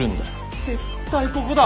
絶対ここだ！